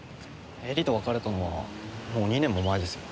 絵里と別れたのはもう２年も前ですよ。